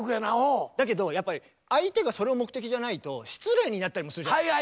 だけどやっぱり相手がそれを目的じゃないと失礼になったりもするじゃないですか。